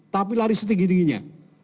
tapi lari setinggi tingginya